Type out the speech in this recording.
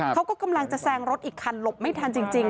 เขาก็กำลังจะแซงรถอีกคันหลบไม่ทันจริง